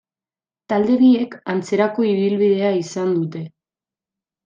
Talde biek antzerako ibilbidea izan dute.